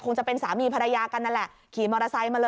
คงจะเป็นสามีภรรยากันนั่นแหละ